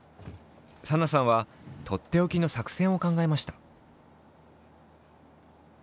サナさんはとっておきの作戦を考えました。